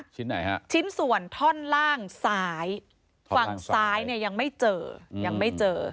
ชิ้นไหนฮะชิ้นส่วนท่อนล่างซ้ายฝั่งซ้ายเนี่ยยังไม่เจอยังไม่เจอ